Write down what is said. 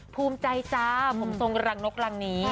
ภูมิใจจ้าผมทรงรังนกรังนี้